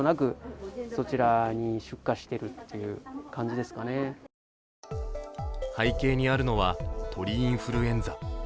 そのわけは背景にあるのは鳥インフルエンザ。